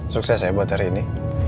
sukses ya buat hari ini